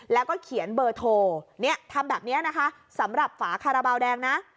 แล้วก็เขียนเบอร์โทรเนี่ยทำแบบนี้นะคะสำหรับฝาคาราบาลแดงนะ